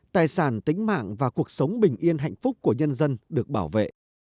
tài sản tính mạng và cuộc sống bình yên hạnh phúc của nhân dân được bảo vệ